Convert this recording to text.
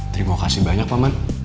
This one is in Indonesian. terima kasih banyak paman